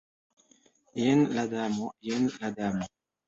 Jen la Damo, jen la Damo!